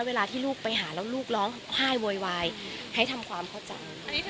เวลาที่ลูกไปหาแล้วลูกร้องไห้โวยวายให้ทำความเข้าใจ